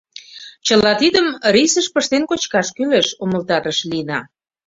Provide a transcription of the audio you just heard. — Чыла тидым рисыш пыштен кочкаш кӱлеш, — умылтарыш Лина.